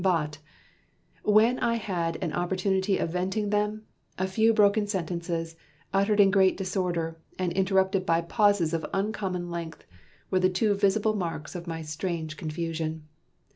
But ... when I had an opportunity of venting them, a few broken sentences, uttered in great disorder, and interrupted by pauses of uncommon length were the too visible marks of my strange confusion!